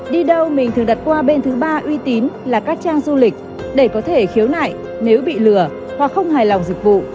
đi đâu mình thường đặt qua bên thứ ba uy tín là các trang du lịch để có thể khiếu nại nếu bị lừa hoặc không hài lòng dịch vụ